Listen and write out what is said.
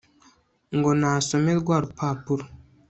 ngo nasome rwarupapuro